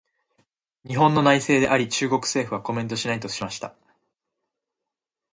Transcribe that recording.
「日本の内政であり、中国政府はコメントしない」としました。